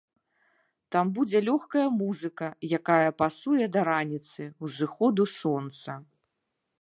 Там будзе лёгкая музыка, якая пасуе да раніцы, узыходу сонца.